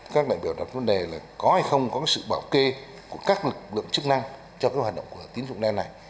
các đại biểu đặt vấn đề là có hay không có sự bảo kê của các lực lượng chức năng cho cái hoạt động của tín dụng đen này